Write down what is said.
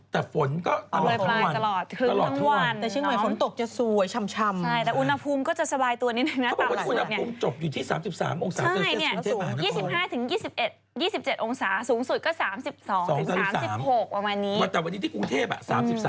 แต่วันนี้ที่กรุงเทพฯ๓๓องศา